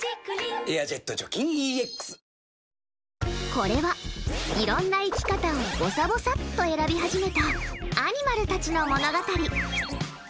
これは、いろんな生き方をぼさぼさっと選び始めたアニマルたちの物語。